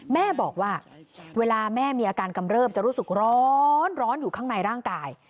แม่บอกว่าเวลาแม่มีอาการกำเริบจะรู้สึกร้อนอยู่ข้างในร่างกาย